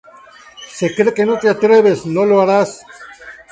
Si crees que no te atreves, no lo harás".